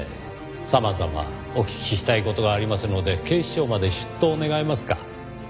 様々お聞きしたい事がありますので警視庁まで出頭願えますか？